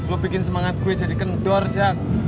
lo bikin semangat gue jadi kendor jak